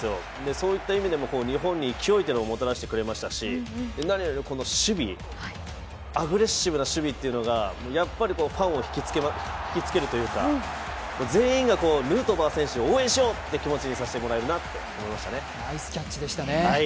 そういった意味でも日本に勢いをもたらしてくれましたし何より守備、アグレッシブな守備というのがやっぱりファンを引きつけるというか、全員がヌートバー選手を応援しようという気持ちにさせてもらえるなと思いましたね。